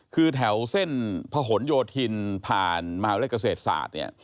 คือแถวเส้นพะหนโยธินผ่านมหาวิทยาลัยเกษตรศาสตร์เนี่ย